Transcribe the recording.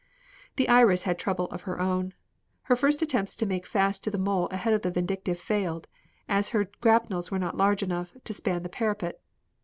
The Iris had trouble of her own. Her first attempts to make fast to the mole ahead of the Vindictive failed, as her grapnels were not large enough to span the parapet.